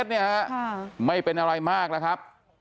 ๗เมตรเนี้ยฮะค่ะไม่เป็นอะไรมากแล้วครับ